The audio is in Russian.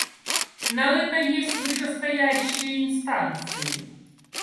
На это есть вышестоящие инстанции.